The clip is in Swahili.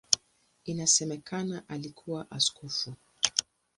Inasemekana alikuwa askofu.